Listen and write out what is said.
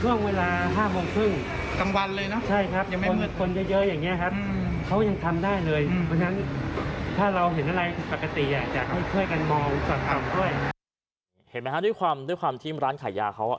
เห็นไหมคะด้วยความทีมร้านขายยาเขา